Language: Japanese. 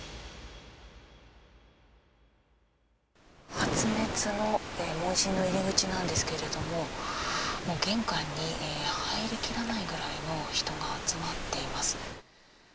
発熱の問診の入り口なんですけども、玄関に入りきらないぐらいの人が集まっています。